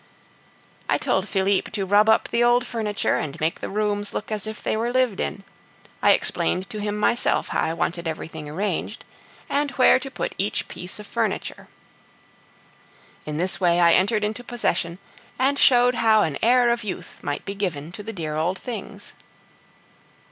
I told Philippe to rub up the old furniture and make the rooms look as if they were lived in; I explained to him myself how I wanted everything arranged, and where to put each piece of furniture. In this way I entered into possession, and showed how an air of youth might be given to the dear old things.